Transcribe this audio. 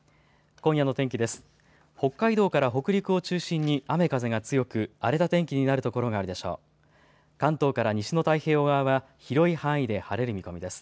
今夜の天気です。